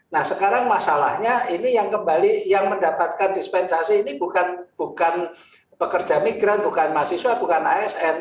nah sekarang masalahnya ini yang kembali yang mendapatkan dispensasi ini bukan pekerja migran bukan mahasiswa bukan asn